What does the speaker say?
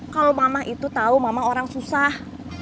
kalau mama itu tahu mama orang susah